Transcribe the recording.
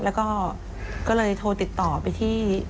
แล้วก็ก็เลยโทรติดต่อไปที่